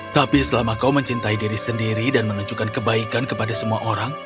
tapi selama kau mencintai diri sendiri dan menunjukkan kebaikan kepada semua orang